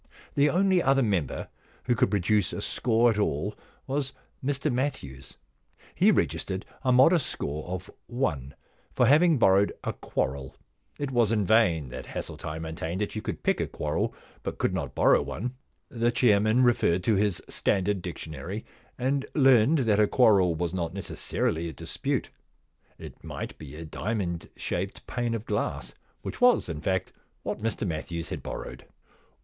The only other member who could produce a score at all was Mr Matthews. He regis tered a modest score of one for having borrowed a quarrel. It was in vain that Hesseltine maintained that you could pick a quarrel but could not borrow one. The chairman referred to his standard dictionary and learned that a quarrel was not necessarily a dispute ; it might be a diamond shaped pane of glass, which was, in fact, what Mr Matthews had borrowed.